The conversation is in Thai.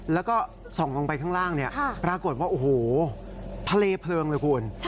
แล้วก็ส่องลงไปข้างล่างปรากฏว่าโอ้โหทะเลเพลิงเลยคุณ